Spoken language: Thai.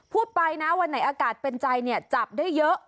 พูดไปนะวันไหนอากาศเป็นใจเนี่ยจับได้เยอะ